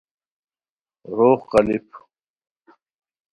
روغ قالیپ